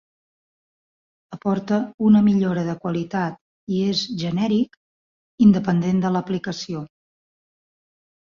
Aporta una millora de qualitat i és genèric, independent de l'aplicació.